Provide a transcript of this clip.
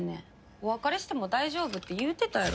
お別れしても大丈夫って言うてたやろ。